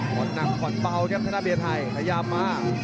หว่อนหนังหว่อนเปล่าครับท่านท่านเบียร์ไทยขยับมา